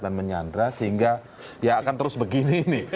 dan menyandra sehingga ya akan terus begini nih